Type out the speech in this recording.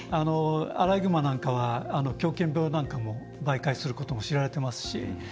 アライグマなんかは狂犬病なんかも媒介することも知られてますし。